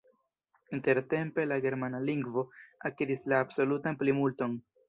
Intertempe la germana lingvo akiris la absolutan plimulton.